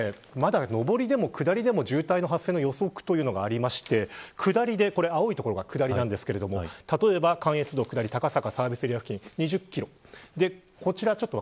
まだ上りでも下りでも渋滞の発生の予測がありまして青い所が下りなんですが例えば関越道下り高坂サービスエリア付近は２０キロ。